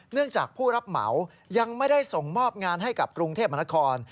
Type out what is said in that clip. จากผู้รับเหมายังไม่ได้ส่งมอบงานให้กับกรุงเทพมหานคร